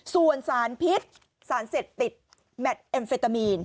ส่วนสารพิษสารเสพติดแมทเอ็มเฟตามีน